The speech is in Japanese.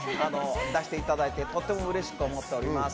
出していただいてとてもうれしく思っております。